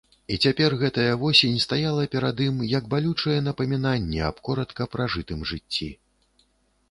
І цяпер гэтая восень стаяла перад ім, як балючае напамінанне аб коратка пражытым жыцці.